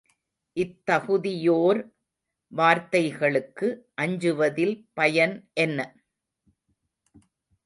இத்தகுதியோர் வார்த்தைகளுக்கு அஞ்சுவதில் பயன் என்ன?